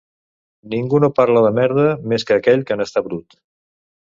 Ningú no parla de merda, més que aquell que n'està brut.